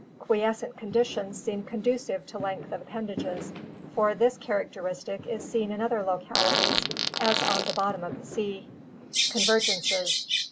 Qui escent conditions seem conducive to length of appendages, for this characteristic is seen in other localities, as on the bottom of the sea. Convergences.